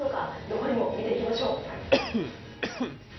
残りも見ていきましょう。